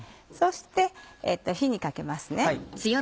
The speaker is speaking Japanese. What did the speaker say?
そして火にかけます。